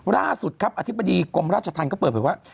ล่าสุดครับอธิบดีกรมราชธรรมก็เปิดเผยว่า